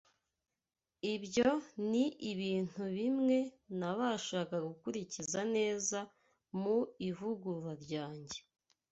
Ibyo ni ibintu bimwe nabashaga gukurikiza neza mu ivugurura ryanjye;